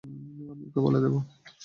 আমি ওকে বলে দেবো।